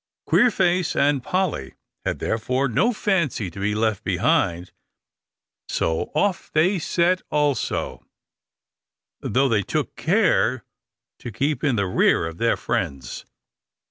Queerface and Polly had, therefore, no fancy to be left behind, so off they set also, though they took care to keep in the rear of their friends.